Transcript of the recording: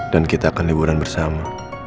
dan kita akan liburan bersama